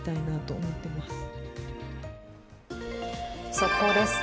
速報です。